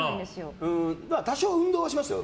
多少運動はしますよ